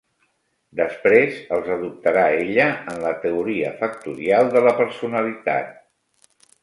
Després els adoptarà ella en la teoria factorial de la personalitat.